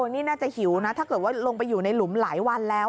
นี่น่าจะหิวนะถ้าเกิดว่าลงไปอยู่ในหลุมหลายวันแล้ว